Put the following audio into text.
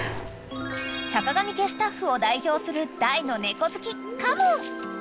［さかがみ家スタッフを代表する大の猫好き嘉門］